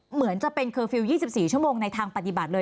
เหมือนจะเป็นเคอร์ฟิลล์๒๔ชั่วโมงในทางปฏิบัติเลย